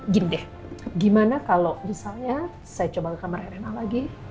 gini deh gimana kalau misalnya saya coba ke kamar rna lagi